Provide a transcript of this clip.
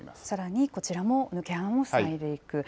さらにこちらも、抜け穴も塞いでいく。